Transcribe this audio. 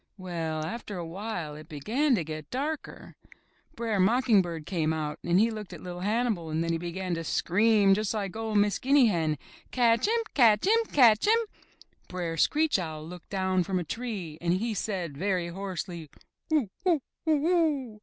Well, after a while it began to get darker. Br'er 142 UP ONE PAIR OF STAIRS Mocking Bird came out, and he looked at Li'T Hannibal and then he began to scream, just like 01* Miss Guinea Hen: Catch him! Catch him! Catch him!" Br'er Screech Owl looked down from a tree and he said very hoarsely: "Who! Who! Who oo!"